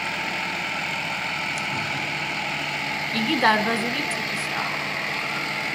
იგი დარბაზული ტიპისაა.